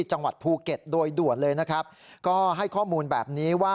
จังหวัดภูเก็ตโดยด่วนเลยนะครับก็ให้ข้อมูลแบบนี้ว่า